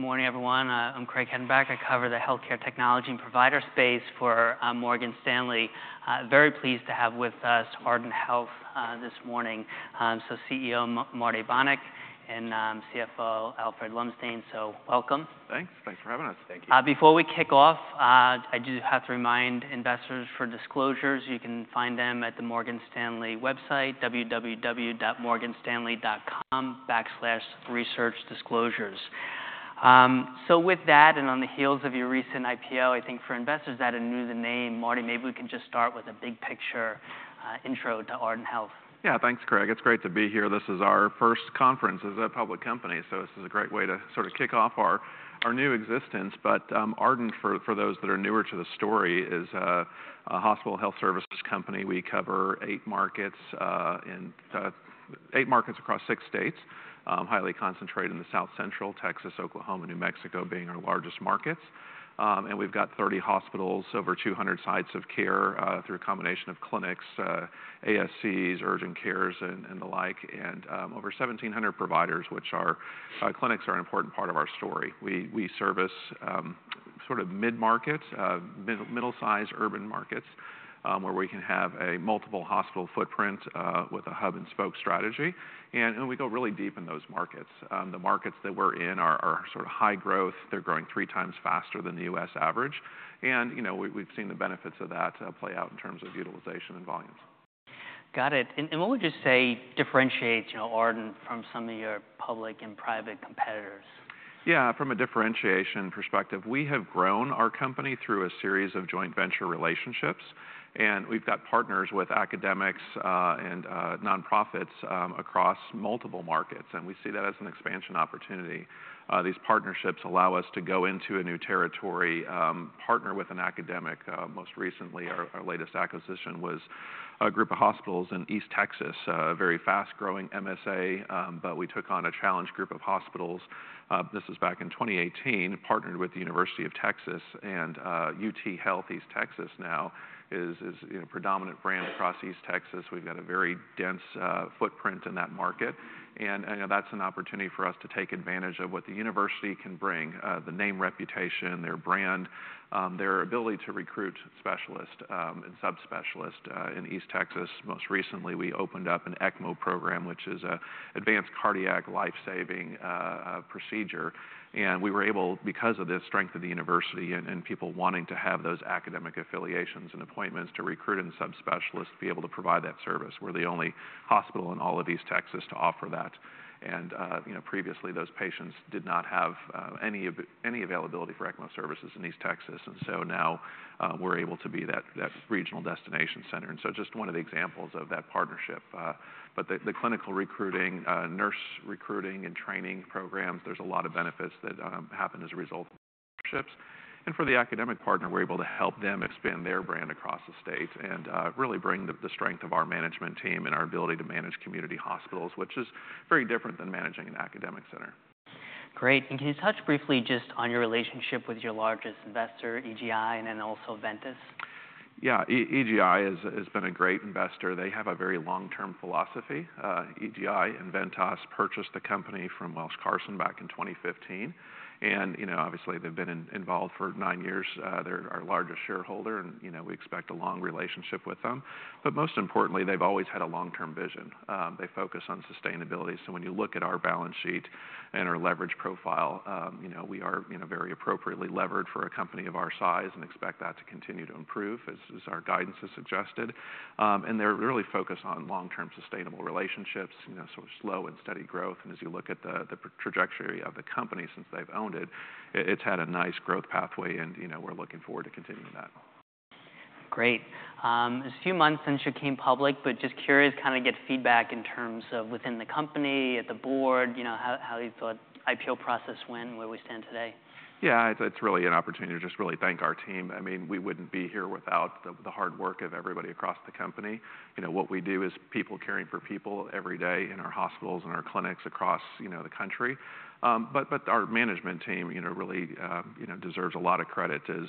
Great. Well, good morning, everyone. I'm Craig Hettenbach. I cover the healthcare technology and provider space for Morgan Stanley. Very pleased to have with us Ardent Health this morning. So, CEO Marty Bonick and CFO Alfred Lumsdaine. So, welcome. Thanks. Thanks for having us. Thank you. Before we kick off, I do have to remind investors for disclosures. You can find them at the Morgan Stanley website, www.morganstanley.com/researchdisclosures. So with that, and on the heels of your recent IPO, I think for investors that are new to the name, Marty, maybe we can just start with a big picture, intro to Ardent Health. Yeah. Thanks, Craig. It's great to be here. This is our first conference as a public company, so this is a great way to sort of kick off our our new existence. But, Ardent, for for those that are newer to the story, is a hospital health services company. We cover eight markets in the eight markets across six states, highly concentrated in the South Central, Texas, Oklahoma, New Mexico being our largest markets. And we've got 30 hospitals, over 200 sites of care, through a combination of clinics, ASCs, urgent cares, and and the like, and over seventeen hundred providers, which our clinics are an important part of our story. We we service sort of mid-markets, middle middle-sized urban markets, where we can have a multiple hospital footprint, with a hub-and-spoke strategy, and we go really deep in those markets. The markets that we're in are sort of high growth. They're growing three times faster than the U.S. average, and, you know, we've seen the benefits of that play out in terms of utilization and volumes. Got it. And what would you say differentiates, you know, Ardent from some of your public and private competitors? Yeah, from a differentiation perspective, we have grown our company through a series of joint venture relationships, and we've got partners with academics and nonprofits across multiple markets, and we see that as an expansion opportunity. These partnerships allow us to go into a new territory, partner with an academic. Most recently, our our latest acquisition was a group of hospitals in East Texas, a very fast-growing MSA, but we took on a challenged group of hospitals. This was back in 2018, partnered with the University of Texas, and UT Health East Texas now is is, you know, a predominant brand across East Texas. We've got a very dense footprint in that market, and you know, that's an opportunity for us to take advantage of what the university can bring, the name, reputation, their brand, their ability to recruit specialists, and subspecialists. In East Texas, most recently, we opened up an ECMO program, which is a advanced cardiac life-saving procedure, and we were able, because of the strength of the university and people wanting to have those academic affiliations and appointments, to recruit in subspecialists to be able to provide that service. We're the only hospital in all of East Texas to offer that. And, you know, previously, those patients did not have any availability for ECMO services in East Texas, and so now, we're able to be that regional destination center, and so just one of the examples of that partnership. But the clinical recruiting, nurse recruiting and training programs, there's a lot of benefits that happen as a result of partnerships. And for the academic partner, we're able to help them expand their brand across the state and really bring the strength of our management team and our ability to manage community hospitals, which is very different than managing an academic center. Great. And can you touch briefly just on your relationship with your largest investor, EGI, and then also Ventas? Yeah. EGI has been a great investor. They have a very long-term philosophy. EGI and Ventas purchased the company from Welsh Carson back in 2015, and, you know, obviously, they've been involved for nine years. They're our largest shareholder, and, you know, we expect a long relationship with them. But most importantly, they've always had a long-term vision. They focus on sustainability. So when you look at our balance sheet and our leverage profile, you know, we are, you know, very appropriately levered for a company of our size and expect that to continue to improve, as our guidance has suggested, and they're really focused on long-term sustainable relationships, you know, sort of slow and steady growth. As you look at the trajectory of the company since they've owned it, it's had a nice growth pathway, and, you know, we're looking forward to continuing that. Great. It's a few months since you came public, but just curious, kind of get feedback in terms of within the company, at the board, you know, how how you thought IPO process went, where we stand today? Yeah, it's really an opportunity to just really thank our team. I mean, we wouldn't be here without the hard work of everybody across the company. You know, what we do is people caring for people every day in our hospitals and our clinics across, you know, the country, but our management team, you know, really you know deserves a lot of credit. As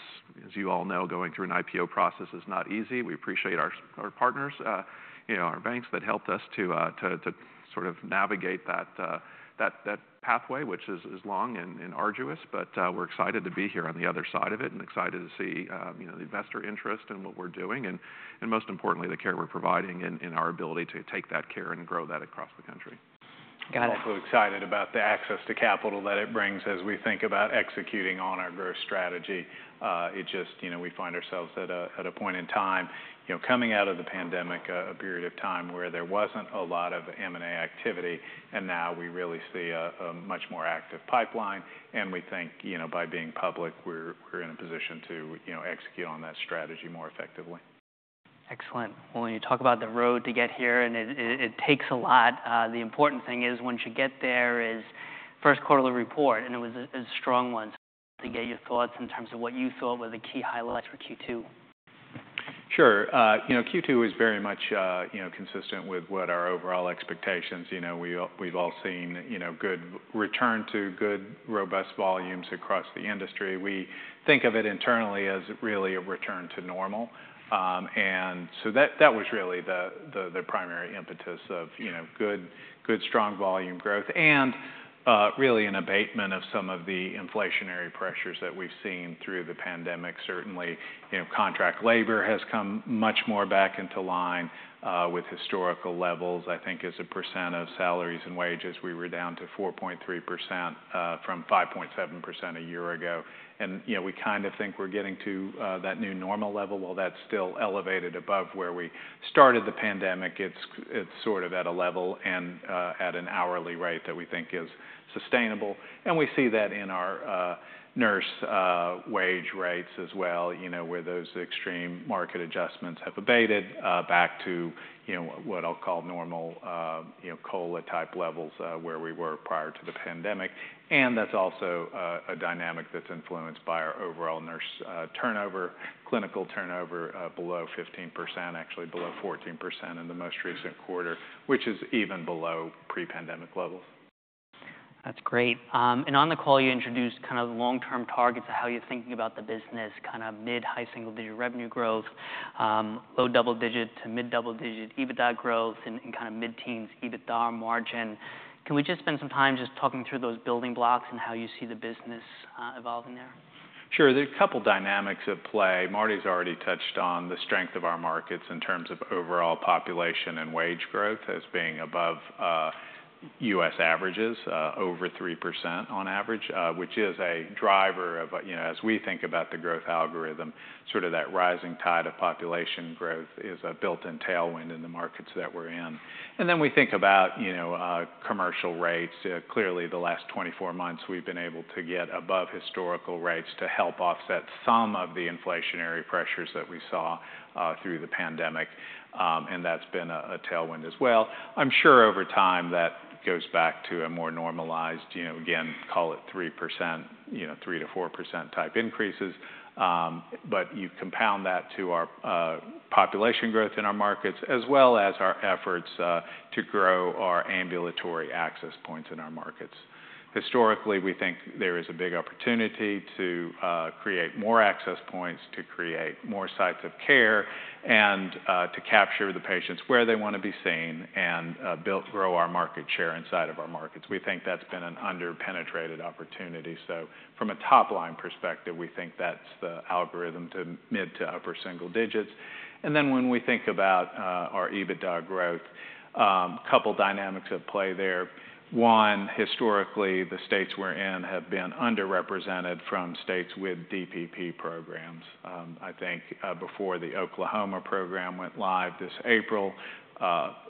you all know, going through an IPO process is not easy. We appreciate our partners, you know, our banks that helped us to to sort of navigate that that pathway, which is long and arduous. But, we're excited to be here on the other side of it, and excited to see, you know, the investor interest in what we're doing, and most importantly, the care we're providing and our ability to take that care and grow that across the country. Got it. We're excited about the access to capital that it brings as we think about executing on our growth strategy. It just, you know, we find ourselves at a point in time, you know, coming out of the pandemic, a period of time where there wasn't a lot of M&A activity, and now we really see a much more active pipeline, and we think, you know, by being public, we're we're in a position to, you know, execute on that strategy more effectively. Excellent. When you talk about the road to get here, and it takes a lot, the important thing is once you get there is first quarterly report, and it was a strong one. To get your thoughts in terms of what you thought were the key highlights for Q2. Sure. You know, Q2 is very much, you know, consistent with what our overall expectations. You know, we've all seen, you know, good return to good, robust volumes across the industry. We think of it internally as really a return to normal. And so that that was really the primary impetus of, you know, good, good strong volume growth. And really an abatement of some of the inflationary pressures that we've seen through the pandemic. Certainly, you know, contract labor has come much more back into line with historical levels. I think as a percent of salaries and wages, we were down to 4.3%, from 5.7% a year ago. And, you know, we kind of think we're getting to that new normal level. While that's still elevated above where we started the pandemic, it's sort of at a level and at an hourly rate that we think is sustainable, and we see that in our nurse wage rates as well, you know, where those extreme market adjustments have abated back to, you know, what I'll call normal COLA-type levels, where we were prior to the pandemic. And that's also a dynamic that's influenced by our overall nurse turnover, clinical turnover below 15%, actually below 14% in the most recent quarter, which is even below pre-pandemic levels. That's great. And on the call, you introduced kind of the long-term targets of how you're thinking about the business, kind of mid-high single-digit revenue growth, low double digits to mid double-digit EBITDA growth, and kind of mid-teens EBITDA margin. Can we just spend some time just talking through those building blocks and how you see the business evolving there? Sure. There's a couple dynamics at play. Marty's already touched on the strength of our markets in terms of overall population and wage growth as being above U.S. averages over 3% on average, which is a driver. You know, as we think about the growth algorithm, sort of that rising tide of population growth is a built-in tailwind in the markets that we're in. And then we think about, you know, commercial rates. Clearly, the last 24 months, we've been able to get above historical rates to help offset some of the inflationary pressures that we saw through the pandemic, and that's been a tailwind as well. Well I'm sure over time, that goes back to a more normalized, you know, again, call it 3%, you know, 3%-4% type increases. But you compound that to our population growth in our markets, as well as our efforts to grow our ambulatory access points in our markets. Historically, we think there is a big opportunity to create more access points, to create more sites of care, and to capture the patients where they want to be seen and built grow our market share inside of our markets. We think that's been an under-penetrated opportunity. So from a top-line perspective, we think that's the algorithm to mid to upper single digits. And then when we think about our EBITDA growth, a couple dynamics at play there. One, historically, the states we're in have been underrepresented from states with DPP programs. I think before the Oklahoma program went live this April,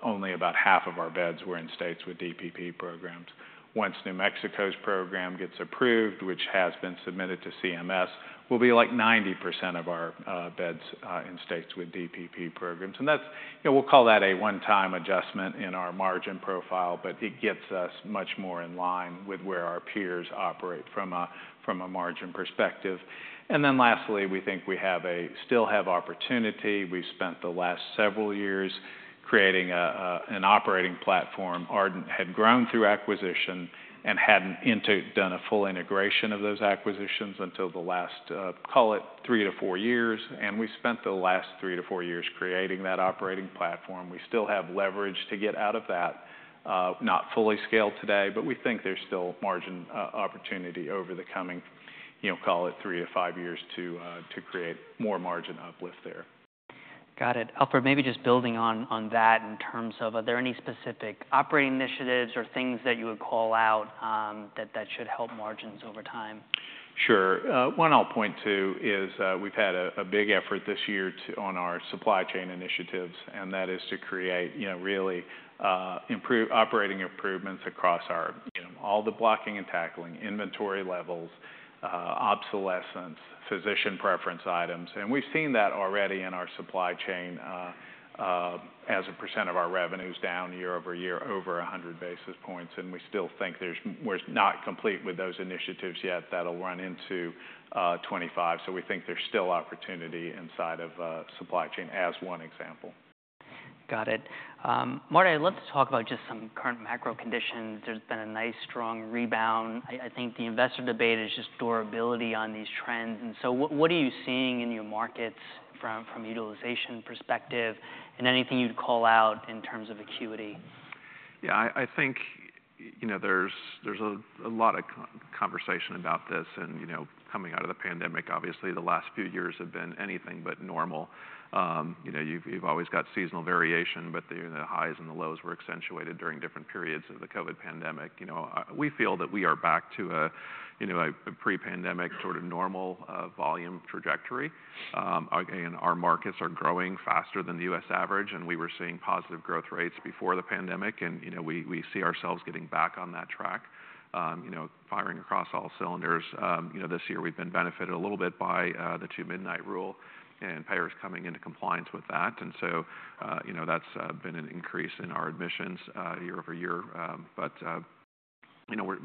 only about half of our beds were in states with DPP programs. Once New Mexico's program gets approved, which has been submitted to CMS, will be, like, 90% of our beds in states with DPP programs. And that's... You know, we'll call that a one-time adjustment in our margin profile, but it gets us much more in line with where our peers operate from a from a margin perspective. And then lastly, we think we have a we still have opportunity. We've spent the last several years creating an operating platform. Ardent had grown through acquisition and hadn't done a full integration of those acquisitions until the last, call it three to four years, and we spent the last three to four years creating that operating platform. We still have leverage to get out of that, not fully scaled today, but we think there's still margin opportunity over the coming, you know, call it three to five years, to to create more margin uplift there. Got it. Alfred, maybe just building on on that in terms of, are there any specific operating initiatives or things that you would call out, that that should help margins over time? Sure. One I'll point to is, we've had a big effort this year on our supply chain initiatives, and that is to create, you know, really, improve operating improvements across our, you know, all the blocking and tackling, inventory levels, obsolescence, physician preference items. And we've seen that already in our supply chain, as a percent of our revenues down year over year, over 100 basis points, and we still think we're not complete with those initiatives yet. That'll run into 2025, so we think there's still opportunity inside of supply chain, as one example. Got it. Marty, I'd love to talk about just some current macro conditions. There's been a nice, strong rebound. I think the investor debate is just durability on these trends. And so what are you seeing in your markets from utilization perspective, and anything you'd call out in terms of acuity? Yeah, I I think, you know, there's there's a lot of conversation about this and, you know, coming out of the pandemic, obviously, the last few years have been anything but normal. You know, you've always got seasonal variation, but the highs and the lows were accentuated during different periods of the COVID pandemic. You know, we feel that we are back to a you know pre-pandemic sort of normal volume trajectory. Again, our markets are growing faster than the U.S. average, and we were seeing positive growth rates before the pandemic, and, you know, we we see ourselves getting back on that track, you know, firing across all cylinders. You know, this year we've been benefited a little bit by the Two-Midnight Rule and payers coming into compliance with that. And so, you know, that's been an increase in our admissions year over year. But, you know, we're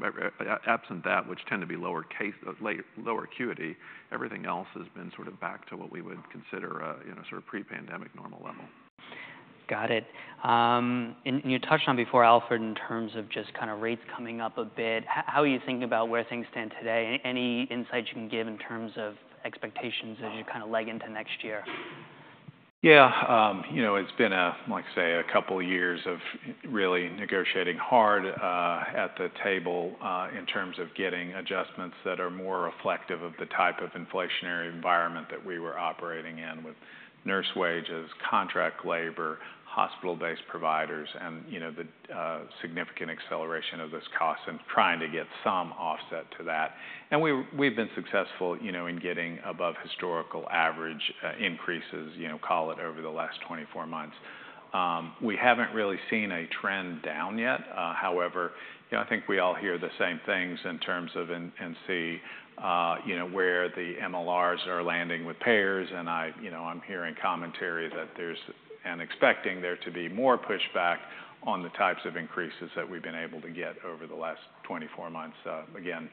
absent that, which tend to be lower case lower acuity, everything else has been sort of back to what we would consider a, you know, sort of pre-pandemic normal level. Got it. And and you touched on before, Alfred, in terms of just kind of rates coming up a bit. How how are you thinking about where things stand today? Any insights you can give in terms of expectations as you kind of leg into next year? Yeah, you know, it's been, like I say, a couple years of really negotiating hard at the table in terms of getting adjustments that are more reflective of the type of inflationary environment that we were operating in, with nurse wages, contract labor, hospital-based providers, and, you know, the significant acceleration of those costs and trying to get some offset to that. And we, we've been successful, you know, in getting above historical average increases, you know, call it over the last 24 months. We haven't really seen a trend down yet. However, you know, I think we all hear the same things in terms of, and and see, you know, where the MLRs are landing with payers, and I, you know, I'm hearing commentary that there's... and expecting there to be more pushback on the types of increases that we've been able to get over the last 24 months. Again,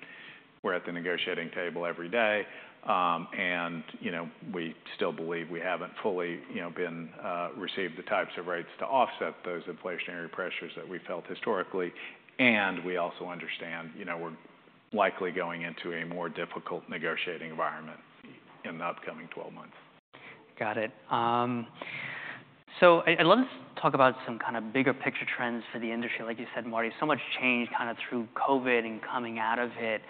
we're at the negotiating table every day, and, you know, we still believe we haven't fully, you know, been received the types of rates to offset those inflationary pressures that we felt historically. And we also understand, you know, we're likely going into a more difficult negotiating environment in the upcoming 12 months. Got it. So I'd love to talk about some kind of bigger picture trends for the industry. Like you said, Marty, so much changed kinda through COVID and coming out of it.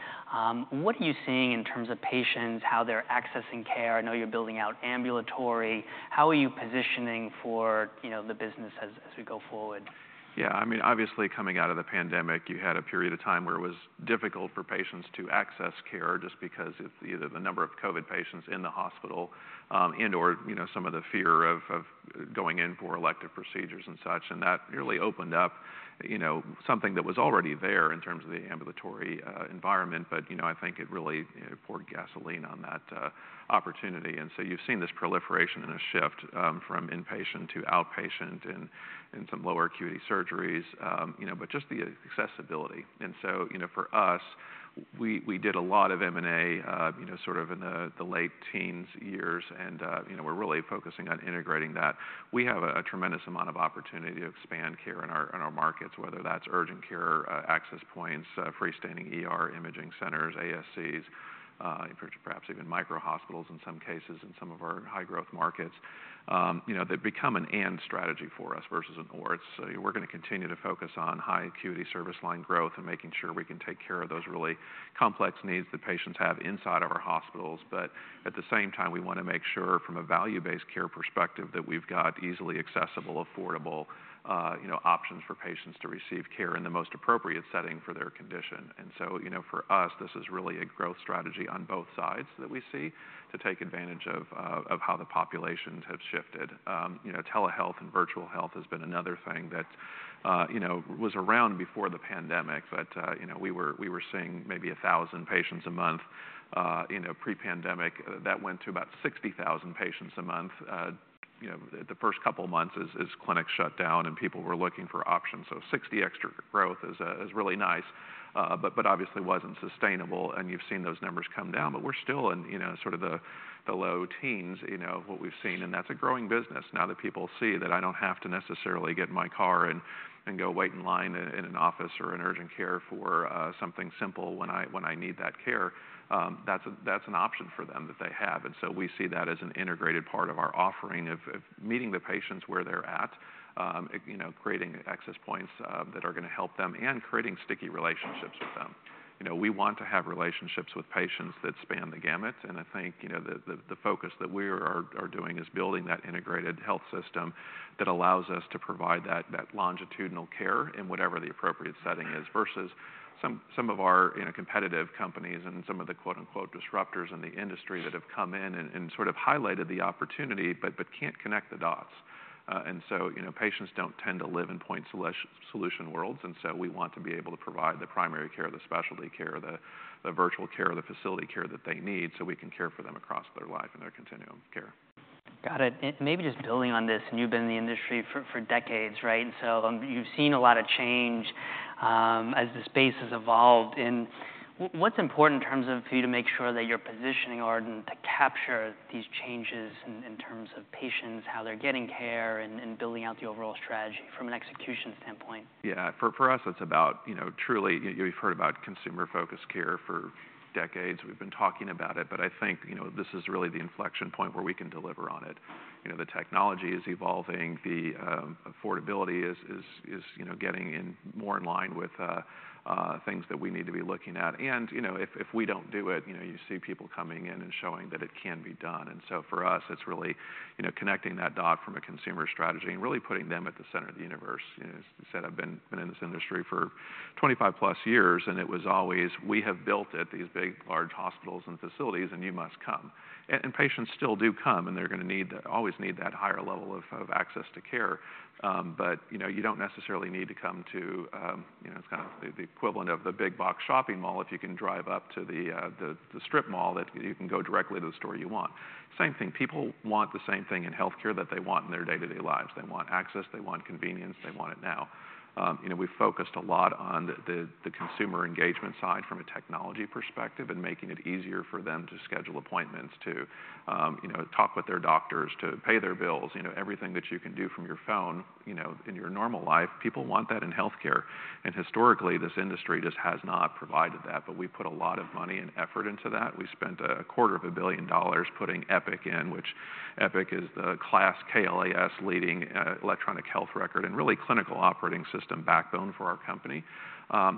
What are you seeing in terms of patients, how they're accessing care? I know you're building out ambulatory. How are you positioning for, you know, the business as we go forward? Yeah, I mean, obviously, coming out of the pandemic, you had a period of time where it was difficult for patients to access care just because of either the number of COVID patients in the hospital, and/or, you know, some of the fear of of going in for elective procedures and such. And that really opened up, you know, something that was already there in terms of the ambulatory environment, but, you know, I think it really, you know, poured gasoline on that opportunity. And so you've seen this proliferation and a shift from inpatient to outpatient and and some lower acuity surgeries, you know, but just the accessibility. And so, you know, for us, we we did a lot of M&A, you know, sort of in the late teens years, and, you know, we're really focusing on integrating that. We have a tremendous amount of opportunity to expand care in our markets, whether that's urgent care, access points, freestanding ER, imaging centers, ASCs, and perhaps even micro-hospitals in some cases, in some of our high-growth markets. You know, they've become an "and" strategy for us versus an "or," so we're gonna continue to focus on high acuity service line growth and making sure we can take care of those really complex needs that patients have inside of our hospitals, but at the same time, we wanna make sure from a value-based care perspective, that we've got easily accessible, affordable, you know, options for patients to receive care in the most appropriate setting for their condition. And so, you know, for us, this is really a growth strategy on both sides that we see to take advantage of how how the populations have shifted. You know, telehealth and virtual health has been another thing that you know was around before the pandemic, but you know we were we were seeing maybe 1,000 patients a month you know pre-pandemic. That went to about 60,000 patients a month you know the first couple of months as clinics shut down and people were looking for options, so 60x growth is really nice, but obviously wasn't sustainable, and you've seen those numbers come down. But we're still in, you know, sort of the low teens, you know, what we've seen, and that's a growing business now that people see that I don't have to necessarily get my car in and go wait in line in an office or an urgent care for something simple when I when I need that care. That's that's an option for them that they have. And so we see that as an integrated part of our offering of meeting the patients where they're at, you know, creating access points that are gonna help them, and creating sticky relationships with them. You know, we want to have relationships with patients that span the gamut, and I think, you know, the focus that we are doing is building that integrated health system that allows us to provide that longitudinal care in whatever the appropriate setting is, versus some some of our, you know, competitive companies and some of the quote, unquote, "disruptors" in the industry that have come in and and sort of highlighted the opportunity, but can't connect the dots. And so, you know, patients don't tend to live in point solution worlds, and so we want to be able to provide the primary care, the specialty care, the virtual care, the facility care that they need, so we can care for them across their life and their continuum of care. Got it. And maybe just building on this, and you've been in the industry for decades, right? And so, you've seen a lot of change, as the space has evolved. And what's important in terms of for you to make sure that you're positioning Ardent to capture these changes in terms of patients, how they're getting care, and building out the overall strategy from an execution standpoint? Yeah. For us, it's about, you know, truly, you've heard about consumer-focused care for decades. We've been talking about it, but I think, you know, this is really the inflection point where we can deliver on it. You know, the technology is evolving. The affordability is is is, you know, getting in more in line with things that we need to be looking at. And, you know, if we don't do it, you know, you see people coming in and showing that it can be done. And so for us, it's really, you know, connecting that dot from a consumer strategy and really putting them at the center of the universe. You know, as I said, I've been in this industry for 25+ years, and it was always: We have built it, these big, large hospitals and facilities, and you must come. And patients still do come, and they're gonna need that. Always need that higher level of access to care, but you know, you don't necessarily need to come to, you know, it's kind of the equivalent of the big box shopping mall if you can drive up to the strip mall that you can go directly to the store you want. Same thing. People want the same thing in healthcare that they want in their day-to-day lives. They want access, they want convenience, they want it now. You know, we've focused a lot on the consumer engagement side from a technology perspective and making it easier for them to schedule appointments to, you know, talk with their doctors, to pay their bills. You know, everything that you can do from your phone, you know, in your normal life, people want that in healthcare. And historically, this industry just has not provided that, but we've put a lot of money and effort into that. We spent $250 million putting Epic in, which Epic is the KLAS-leading electronic health record and really clinical operating system backbone for our company.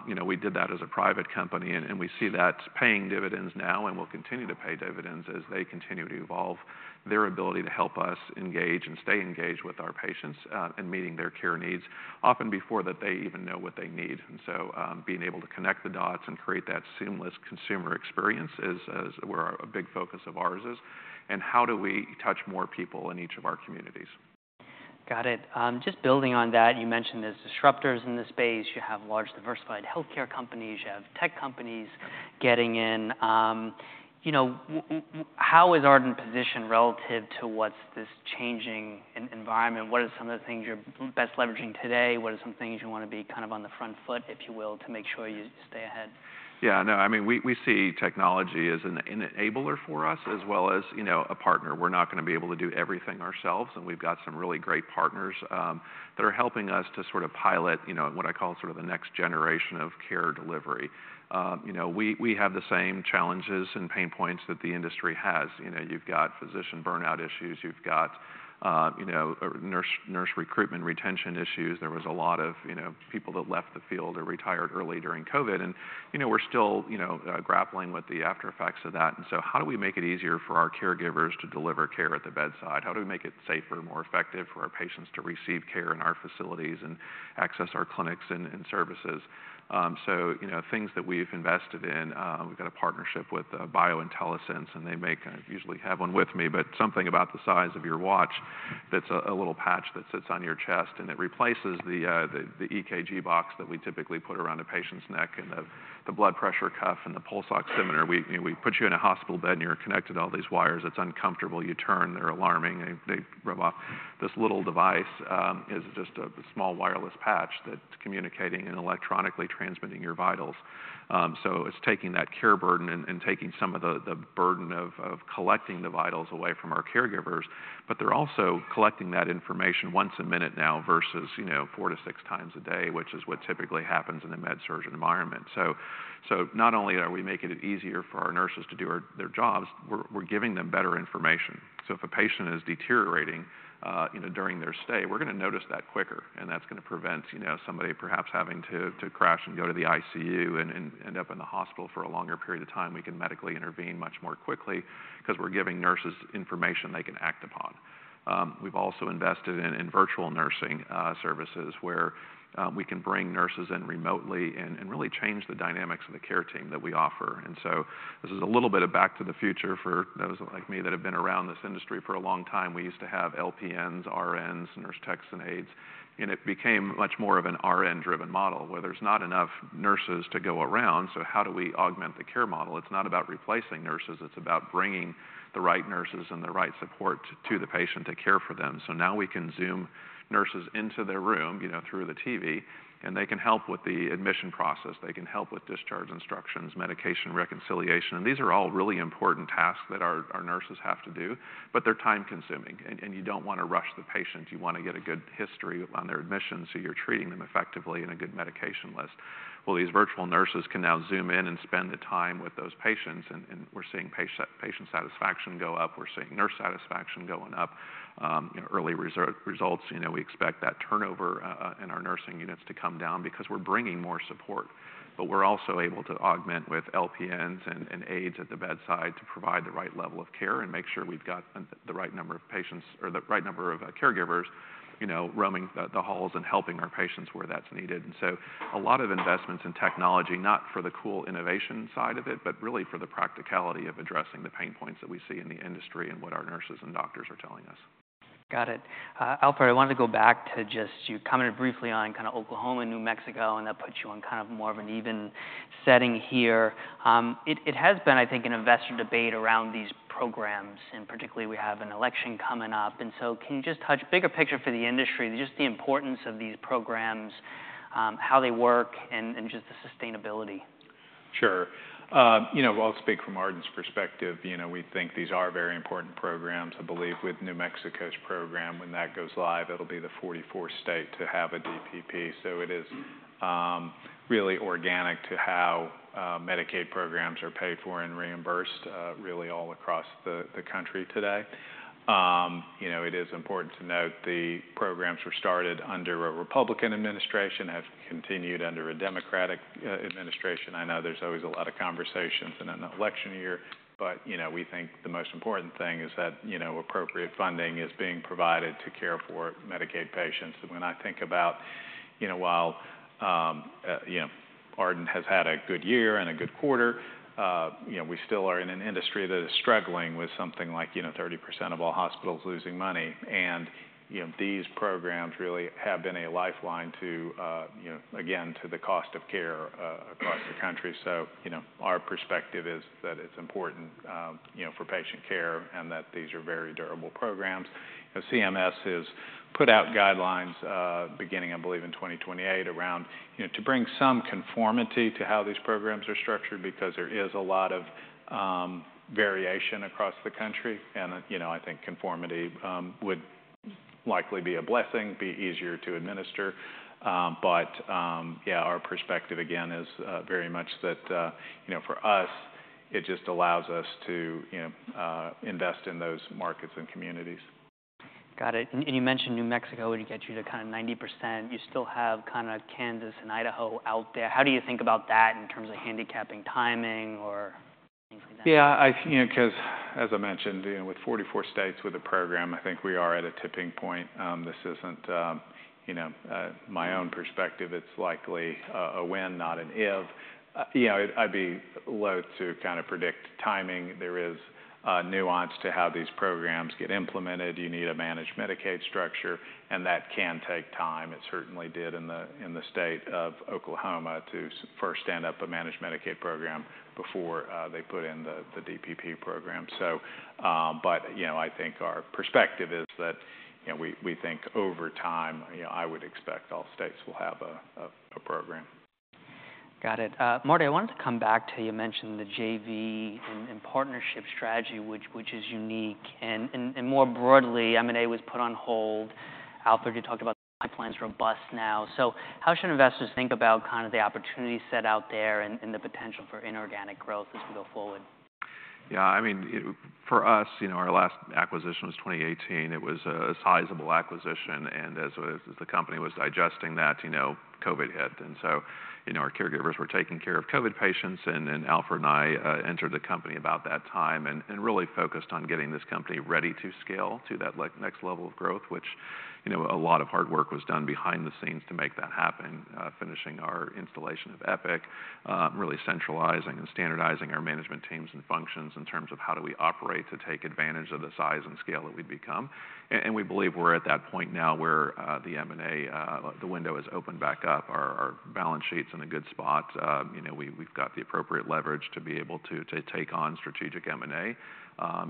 You know, we did that as a private company, and we see that's paying dividends now and will continue to pay dividends as they continue to evolve their ability to help us engage and stay engaged with our patients in meeting their care needs, often before that they even know what they need. And so, being able to connect the dots and create that seamless consumer experience is is where a big focus of ours is, and how do we touch more people in each of our communities? Got it. Just building on that, you mentioned there's disruptors in the space. You have large, diversified healthcare companies, you have tech companies getting in. You know, how is Ardent positioned relative to what's this changing environment? What are some of the things you're best leveraging today? What are some things you wanna be kind of on the front foot, if you will, to make sure you stay ahead? Yeah, no, I mean, we we see technology as an enabler for us, as well as, you know, a partner. We're not gonna be able to do everything ourselves, and we've got some really great partners that are helping us to sort of pilot, you know, what I call sort of the next generation of care delivery. You know, we we have the same challenges and pain points that the industry has. You know, you've got physician burnout issues, you've got, you know, nurse recruitment, retention issues. There was a lot of, you know, people that left the field or retired early during COVID, and, you know, we're still, you know, grappling with the aftereffects of that, and so how do we make it easier for our caregivers to deliver care at the bedside? How do we make it safer and more effective for our patients to receive care in our facilities and access our clinics and services? So you know, things that we've invested in. We've got a partnership with BioIntelliSense, and they make. I usually have one with me, but something about the size of your watch. That's a little patch that sits on your chest, and it replaces the EKG box that we typically put around a patient's neck, and the blood pressure cuff and the pulse oximeter. You know, we put you in a hospital bed, and you're connected to all these wires. It's uncomfortable. You turn, they're alarming, they rub off. This little device is just a small wireless patch that's communicating and electronically transmitting your vitals. So it's taking that care burden and taking some of the burden of collecting the vitals away from our caregivers, but they're also collecting that information once a minute now versus, you know, four to six times a day, which is what typically happens in a med-surg environment. So so not only are we making it easier for our nurses to do their jobs, we're giving them better information. So if a patient is deteriorating, you know, during their stay, we're gonna notice that quicker, and that's gonna prevent, you know, somebody perhaps having to crash and go to the ICU and end up in the hospital for a longer period of time. We can medically intervene much more quickly 'cause we're giving nurses information they can act upon. We've also invested in virtual nursing services, where we can bring nurses in remotely and really change the dynamics of the care team that we offer, and so this is a little bit of back to the future for those like me that have been around this industry for a long time. We used to have LPNs, RNs, nurse techs, and aides, and it became much more of an RN-driven model, where there's not enough nurses to go around, so how do we augment the care model? It's not about replacing nurses; it's about bringing the right nurses and the right support to the patient to care for them. So now we can zoom nurses into their room, you know, through the TV, and they can help with the admission process. They can help with discharge instructions, medication reconciliation, and these are all really important tasks that our nurses have to do, but they're time-consuming, and you don't wanna rush the patients. You wanna get a good history on their admission, so you're treating them effectively in a good medication list. Well, these virtual nurses can now zoom in and spend the time with those patients, and and we're seeing patient satisfaction go up. We're seeing nurse satisfaction going up. You know, early results, you know, we expect that turnover in our nursing units to come down because we're bringing more support. But we're also able to augment with LPNs and and aides at the bedside to provide the right level of care and make sure we've got the right number of patients or the right number of caregivers, you know, roaming the halls and helping our patients where that's needed. And so a lot of investments in technology, not for the cool innovation side of it, but really for the practicality of addressing the pain points that we see in the industry and what our nurses and doctors are telling us. Got it. Alfred, I wanted to go back to just... You commented briefly on kind of Oklahoma and New Mexico, and that puts you on kind of more of an even setting here. It it has been, I think, an investor debate around these programs, and particularly, we have an election coming up. And so can you just touch bigger picture for the industry, just the importance of these programs, how they work, and just the sustainability? Sure. You know, well, I'll speak from Ardent's perspective. You know, we think these are very important programs. I believe with New Mexico's program, when that goes live, it'll be the 44th state to have a DPP. So it is really organic to how Medicaid programs are paid for and reimbursed really all across the country today. You know, it is important to note that the programs were started under a Republican administration, have continued under a Democratic you know administration. I know there's always a lot of conversations in an election year, but, you know, we think the most important thing is that, you know, appropriate funding is being provided to care for Medicaid patients. And when I think about, you know well, you know Ardent has had a good year and a good quarter, you know, we still are in an industry that is struggling with something like, you know, 30% of all hospitals losing money. And, you know, these programs really have been a lifeline to, you know, again, to the cost of care, across the country. So, you know, our perspective is that it's important, you know, for patient care and that these are very durable programs. You know, CMS has put out guidelines, beginning, I believe, in 2028, around, you know, to bring some conformity to how these programs are structured, because there is a lot of, variation across the country. And, you know, I think conformity, would likely be a blessing, easier to administer. But, yeah, our perspective, again, is very much that the, you know, for us, it just allows us to, you know, invest in those markets and communities. Got it. And you mentioned New Mexico would get you to kind of 90%. You still have kind of Kansas and Idaho out there. How do you think about that in terms of handicapping, timing, or-? Yeah, I, you know, 'cause as I mentioned, you know, with 44 states with a program, I think we are at a tipping point. This isn't, you know, my own perspective, it's likely a when, not an if. You know, I'd be loath to kinda predict timing. There is nuance to how these programs get implemented. You need a managed Medicaid structure, and that can take time. It certainly did in the in the state of Oklahoma to first stand up a managed Medicaid program before they put in the DPP program. So, but, you know, I think our perspective is that, you know, we we think over time, you know, I would expect all states will have a program. Got it. Marty, I wanted to come back to what you mentioned the JV and partnership strategy, which which is unique, and and more broadly, M&A was put on hold. Alfred, you talked about the pipeline's robust now. So how should investors think about kind of the opportunity set out there and the potential for inorganic growth as we go forward? Yeah, I mean, it for us, you know, our last acquisition was 2018. It was a sizable acquisition, and as the company was digesting that, you know, COVID hit. And so, you know, our caregivers were taking care of COVID patients, and then Alfred and I entered the company about that time and really focused on getting this company ready to scale to that, like, next level of growth, which, you know, a lot of hard work was done behind the scenes to make that happen. Finishing our installation of Epic, really centralizing and standardizing our management teams and functions in terms of how do we operate to take advantage of the size and scale that we've become. And we believe we're at that point now where the M&A the window has opened back up. Our balance sheet's in a good spot. You know, we, we've got the appropriate leverage to be able to, to take on strategic M&A,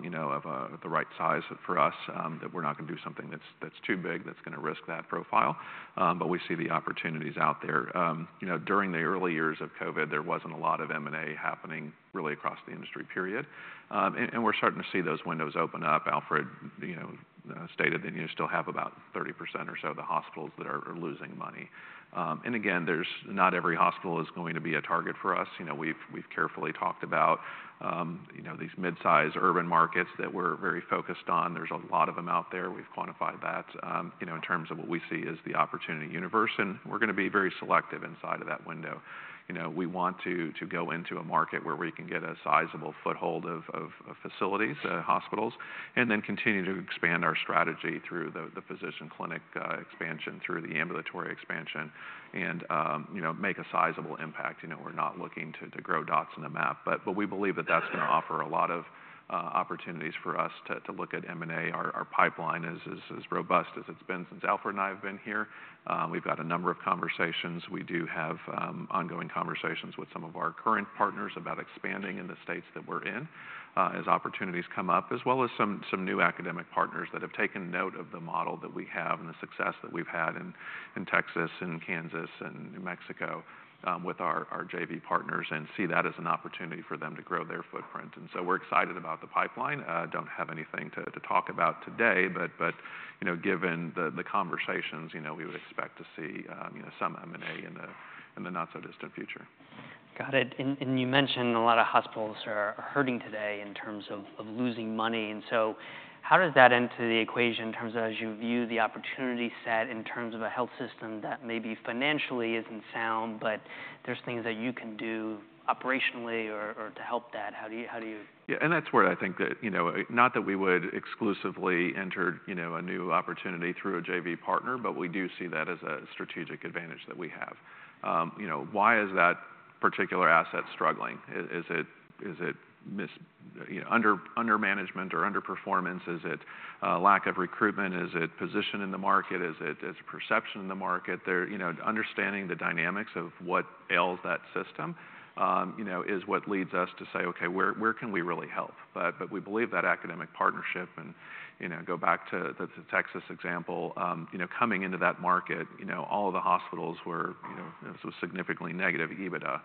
you know, of, the right size for us. That we're not gonna do something that's that's too big, that's gonna risk that profile, but we see the opportunities out there. You know, during the early years of COVID, there wasn't a lot of M&A happening really across the industry, period. And and we're starting to see those windows open up. Alfred, you know, stated that you still have about 30% or so of the hospitals that are losing money. And again, there's not every hospital is going to be a target for us. You know, we've we've carefully talked about, you know, these mid-size urban markets that we're very focused on. There's a lot of them out there. We've quantified that, you know, in terms of what we see as the opportunity universe, and we're gonna be very selective inside of that window. You know, we want to to go into a market where we can get a sizable foothold of of facilities, hospitals, and then continue to expand our strategy through the physician clinic expansion, through the ambulatory expansion, and, you know, make a sizable impact. You know, we're not looking to grow dots on a map, but we believe that that's gonna offer a lot of opportunities for us to look at M&A. Our pipeline is as robust as it's been since Alfred and I have been here. We've got a number of conversations. We do have ongoing conversations with some of our current partners about expanding in the states that we're in, as opportunities come up, as well as some some new academic partners that have taken note of the model that we have and the success that we've had in Texas, and Kansas, and New Mexico, with our our JV partners, and see that as an opportunity for them to grow their footprint, and so we're excited about the pipeline. Don't have anything to talk about today, but but you know, given the conversations, you know, we would expect to see you know some M&A in the in the not-so-distant future. Got it. And and you mentioned a lot of hospitals are hurting today in terms of losing money, and so how does that enter the equation in terms of as you view the opportunity set, in terms of a health system that maybe financially isn't sound, but there's things that you can do operationally or to help that? How do you, how do you.. Yeah, and that's where I think that, you know, it's not that we would exclusively enter, you know, a new opportunity through a JV partner, but we do see that as a strategic advantage that we have. You know, why is that particular asset struggling? Is it is it under management or underperformance? Is it lack of recruitment? Is it its position in the market? Is it its perception in the market? You know, understanding the dynamics of what ails that system, you know, is what leads us to say, "Okay, where where can we really help?" But we believe that academic partnership and, you know, go back to the Texas example, you know, coming into that market, you know, all of the hospitals were, you know, it was significantly negative EBITDA.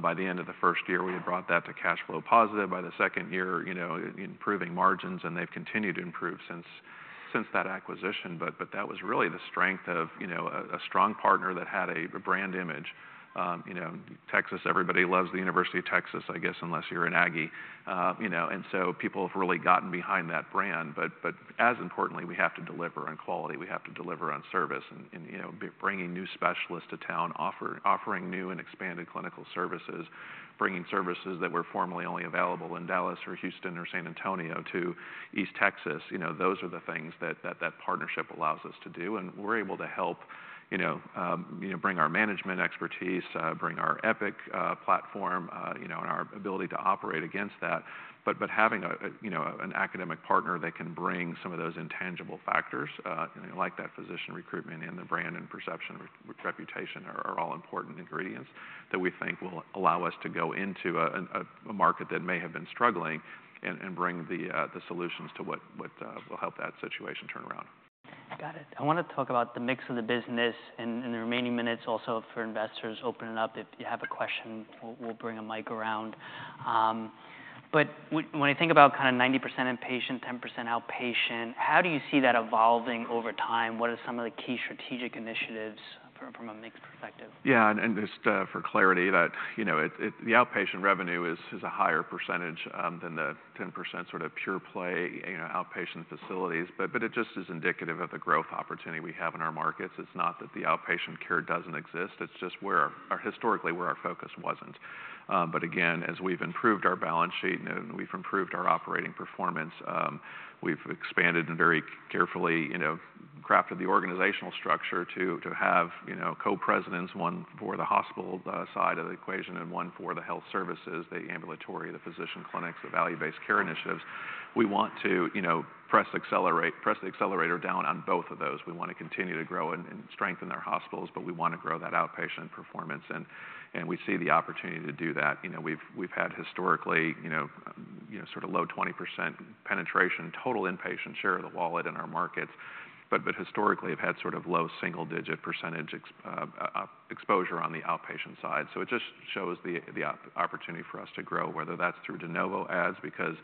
By the end of the first year, we had brought that to cash flow positive. By the second year, you know, improving margins, and they've continued to improve since since that acquisition. But that was really the strength of, you know, a strong partner that had a brand image. You know, Texas, everybody loves the University of Texas, I guess, unless you're an Aggie. You know, and so people have really gotten behind that brand. But but as importantly, we have to deliver on quality, we have to deliver on service and, and you know, bringing new specialists to town, offering offering new and expanded clinical services, bringing services that were formerly only available in Dallas, or Houston, or San Antonio to East Texas. You know, those are the things that that partnership allows us to do, and we're able to help, you know, bring our management expertise, bring our Epic platform, you know, and our ability to operate against that. But having a you know an academic partner that can bring some of those intangible factors, you know, like that physician recruitment, and the brand and perception, reputation, are all important ingredients that we think will allow us to go into a market that may have been struggling and and bring the solutions to what what will help that situation turn around. Got it. I wanna talk about the mix of the business in the remaining minutes, also for investors. Open it up. If you have a question, we'll bring a mic around, but when I think about kind of 90% inpatient, 10% outpatient, how do you see that evolving over time? What are some of the key strategic initiatives from a mix perspective? Yeah, and just for clarity, that you know, it it. The outpatient revenue is a higher percentage than the 10% sort of pure play you know outpatient facilities, but it just is indicative of the growth opportunity we have in our markets. It's not that the outpatient care doesn't exist, it's just where historically where our focus wasn't. But again, as we've improved our balance sheet and we've improved our operating performance, we've expanded and very carefully you know crafted the organizational structure to have you know co-presidents, one for the hospital side of the equation and one for the health services, the ambulatory, the physician clinics, the value-based care initiatives. We want to you know press accelerate press accelerator down on both of those. We wanna continue to grow and strengthen our hospitals, but we wanna grow that outpatient performance, and and we see the opportunity to do that. You know, we've we've had historically, you know, you know sort of low 20% penetration, total inpatient share of the wallet in our markets, but historically, have had sort of low single-digit percentage exposure on the outpatient side. So it just shows the opportunity for us to grow, whether that's through de novo adds, because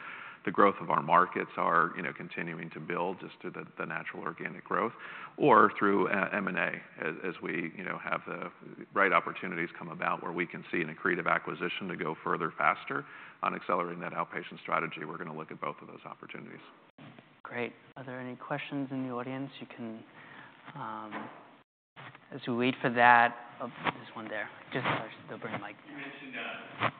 the growth of our markets are, you know, continuing to build just through the natural organic growth, or through M&A. As we, you know, have the right opportunities come about where we can see an accretive acquisition to go further, faster on accelerating that outpatient strategy, we're gonna look at both of those opportunities. Great. Are there any questions in the audience? You can... As we wait for that, oh, there's one there. Just they'll bring a mic. You mentioned your participation in valuation. Can you just- Oh, super. Thank you.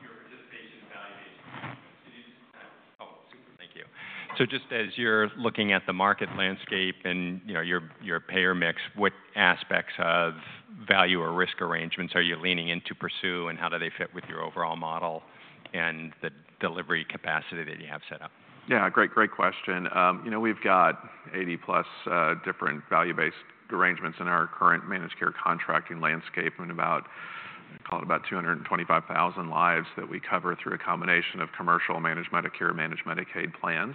So just as you're looking at the market landscape and, you know, your payer mix, what aspects of value or risk arrangements are you leaning in to pursue, and how do they fit with your overall model and the delivery capacity that you have set up? Yeah, great, great question. You know, we've got 80+ different value-based arrangements in our current managed care contracting landscape, and about, call it about 225,000 lives that we cover through a combination of commercial managed Medicare, managed Medicaid plans,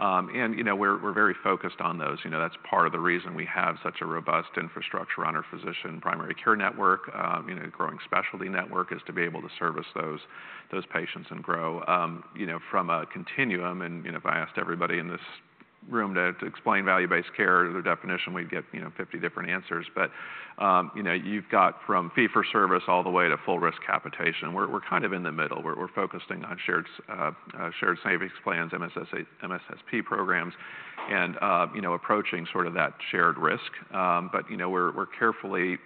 and you know, we're very very focused on those. You know, that's part of the reason we have such a robust infrastructure on our physician primary care network, you know, growing specialty network, is to be able to service those those patients and grow. You know, from a continuum, I mean, if I asked everybody in this room to explain value-based care or their definition, we'd get, you know, 50 different answers, but you know, you've got from fee-for-service all the way to full risk capitation. We're we're kind of in the middle. We're we're focusing on shared savings plans, MSSP programs, and, you know, approaching sort of that shared risk. But, you know, we're we're carefully,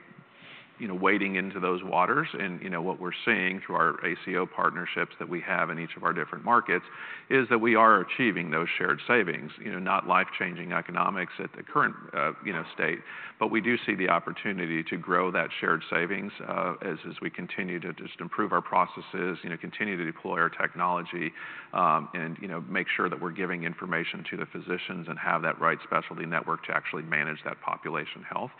you know, wading into those waters. And, you know, what we're seeing through our ACO partnerships that we have in each of our different markets, is that we are achieving those shared savings. You know, not life-changing economics at the current, you know, state, but we do see the opportunity to grow that shared savings, as we continue to just improve our processes, you know, continue to deploy our technology, and, you know, make sure that we're giving information to the physicians and have that right specialty network to actually manage that population health.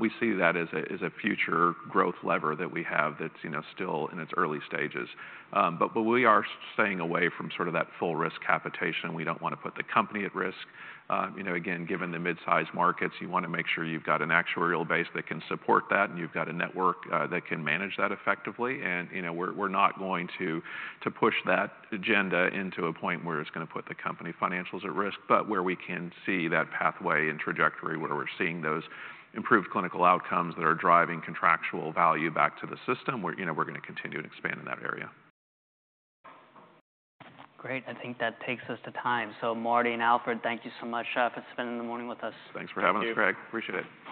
We see that as a as a future growth lever that we have that's, you know, still in its early stages. But we are staying away from sort of that full risk capitation. We don't wanna put the company at risk. You know, again, given the mid-size markets, you wanna make sure you've got an actuarial base that can support that, and you've got a network that can manage that effectively. And you know, we're we're not going to to push that agenda into a point where it's gonna put the company financials at risk, but where we can see that pathway and trajectory, where we're seeing those improved clinical outcomes that are driving contractual value back to the system, you know, we're gonna continue to expand in that area. Great. I think that takes us to time. So Marty and Alfred, thank you so much for spending the morning with us. Thanks for having us, Craig. Thank you. Appreciate it.